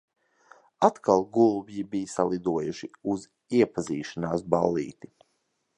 Atkal gulbji bija salidojuši uz iepazīšanās ballīti.